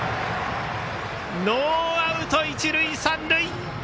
ノーアウト一塁三塁。